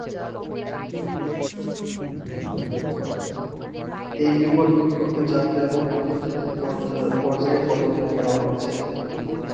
এই বিপদ দূর করতে জাতীয় এবং আন্তর্জাতিক পর্যায়ে পদক্ষেপ নেয়া হচ্ছে।